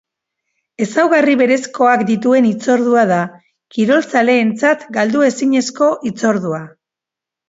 Ezaugarri berezkoak dituen hitzordua da, kirolzaleentzat galdu ezinezko hitzordua.